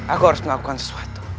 aku harus melakukan sesuatu